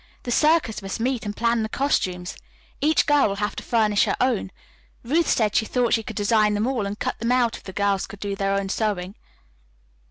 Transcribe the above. The 'Circus' must meet and plan the costumes. Each girl will have to furnish her own. Ruth said she thought she could design them all, and cut them out if the girls could do their own sewing."